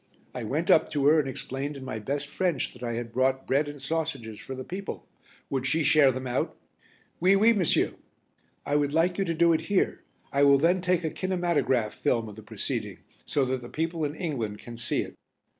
I went up to her and explained in my best French that I had brought bread and sausages for the people, would she share them out? "Oui, oui, monsieur." "I would like you to do it here, I will then take a kinematograph film of the proceeding, so that the people in England can see it."